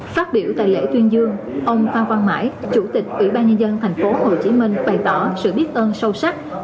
phát biểu tại lễ tuyên dương ông phan quang mãi chủ tịch ủy ban nhân dân thành phố hồ chí minh bày tỏ sự biết ơn sâu sắc